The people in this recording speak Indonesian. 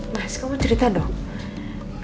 mas kamu cerita dong